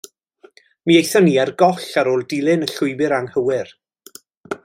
Mi aethon ni ar goll ar ôl dilyn y llwybr anghywir.